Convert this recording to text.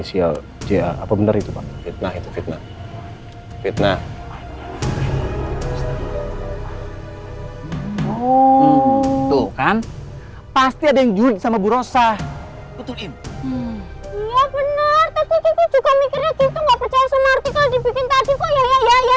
iya bener tapi kita juga mikirnya kita gak percaya sama artikel dibikin tadi kok ya ya ya ya kan ya